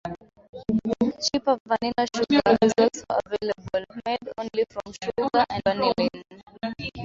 Cheaper vanilla sugar is also available, made only from sugar and vanillin.